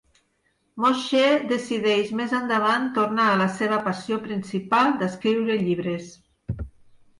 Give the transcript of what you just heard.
Moshe decideix més endavant tornar a la seva passió principal d'escriure llibres.